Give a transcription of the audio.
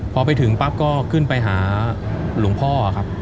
พอไปถึงปั๊บก็ขึ้นไปหาหลวงพ่อครับ